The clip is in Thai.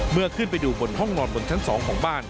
เมื่อขึ้นไปดูห้องนอนบนชั้น๒ของบ้าน